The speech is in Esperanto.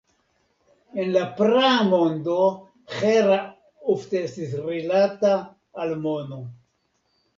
En la praa mondo Hera ofte estis rilata al mono.